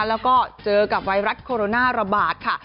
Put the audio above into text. แล้วก็เจอกับไวรัสโคโรนาระบาดค่ะ